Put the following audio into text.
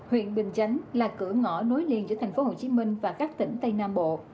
huyện bình chánh là cửa ngõ nối liền giữa thành phố hồ chí minh và các tỉnh tây nam bộ